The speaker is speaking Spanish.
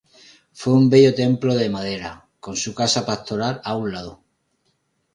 Fue un bello templo de madera, con su casa pastoral a un lado.